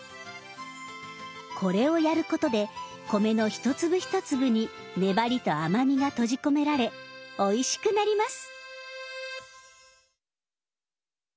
これをやることで米の一粒一粒に粘りと甘みが閉じ込められおいしくなります！